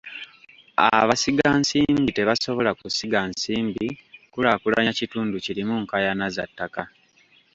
Abasigansimbi tebasobola kusiga nsimbi kulaakulanya kitundu kirimu nkaayana za ttaka.